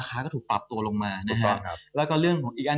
ข้ามดูตลาดห้วนเมื่อวาน